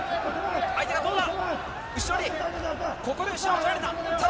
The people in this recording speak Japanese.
相手はどうだ。